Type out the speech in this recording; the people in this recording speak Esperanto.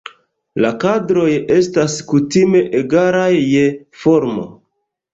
La kadroj estas kutime egalaj je formo.